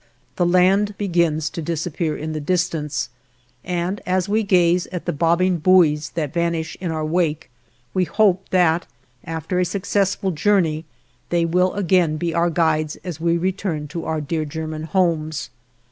The land begins to disappear in the distance, and as we gaze at the bobbing buoys that vanish in our wake, we hope that after a successful journey they will again be our guides as we return to our dear German homes.